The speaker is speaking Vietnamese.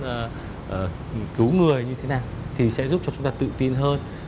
và cứu người như thế nào thì sẽ giúp cho chúng ta tự tin hơn